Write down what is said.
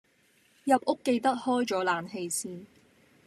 入屋記得開咗冷氣先